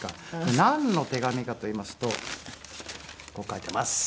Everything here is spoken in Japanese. なんの手紙かといいますとこう書いています。